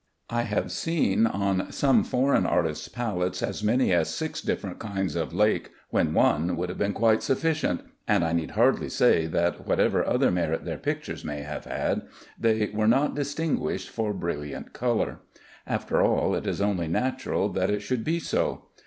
I have seen on some foreign artists' palettes as many as six different kinds of lake, when one would have been quite sufficient, and I need hardly say that whatever other merit their pictures may have had, they were not distinguished for brilliant color. After all, it is only natural that it should be so.